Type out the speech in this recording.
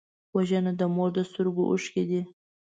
وژنه د مور د سترګو اوښکې دي